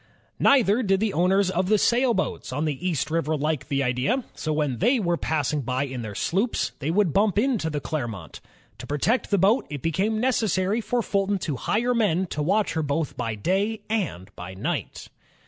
Neither did the owners of the sailboats on the East River like the idea, so when they were passing by in their sloops they would bimip into the Clermont. To protect the boat, it became neces sary for Fulton to hire men to watch her both by day and by night.